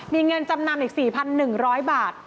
มีเงินจำนำอีก๔๑๐๐บาท